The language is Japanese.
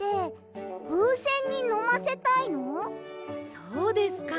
そうですか。